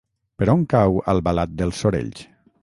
Per on cau Albalat dels Sorells?